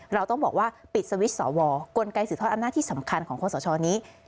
เราต้องบอกว่าปิดสวิตช์สวกลไกถือทอดอำนาจที่สำคัญของคอสชนี้